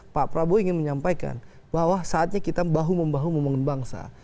pak prabowo ingin menyampaikan bahwa saatnya kita bahu membahu membangun bangsa